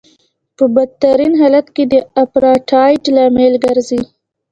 په بدترین حالت کې د اپارټایډ لامل ګرځي.